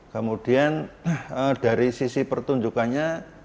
kemudian dari sisi pertunjukannya